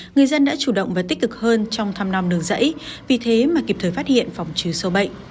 người dân đã chủ động và tích cực hơn trong thăm nòng nương dẫy vì thế mà kịp thời phát hiện phòng chứa sâu bệnh